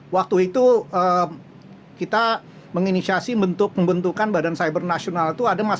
waktu itu kita menginisiasi bentuk pembentukan badan cyber nasional itu ada masalah